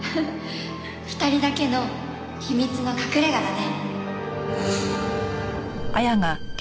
２人だけの秘密の隠れ家だね。